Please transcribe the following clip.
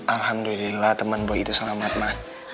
alhamdulillah temen boy itu selamat ma